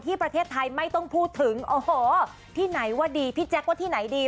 ประเทศไทยไม่ต้องพูดถึงโอ้โหที่ไหนว่าดีพี่แจ๊คว่าที่ไหนดี